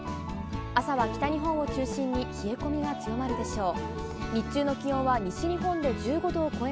朝は北日本を中心に冷え込みが強まるでしょう。